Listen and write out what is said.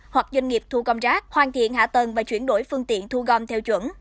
hoặc doanh nghiệp thu gom rác hoàn thiện hạ tầng và chuyển đổi phương tiện thu gom theo chuẩn